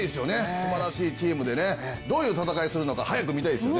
すばらしいチームでねどういう戦いをするのか早く見たいですよね。